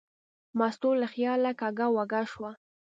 مستو له خیاله کږه وږه شوه.